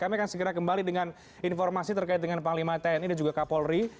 kami akan segera kembali dengan informasi terkait dengan panglima tni dan juga kapolri